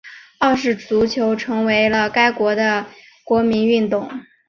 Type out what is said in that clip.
澳式足球成为了该国的国民运动。